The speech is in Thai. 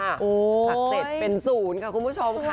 สักเสร็จเป็น๐ค่ะคุณผู้ชมค่ะ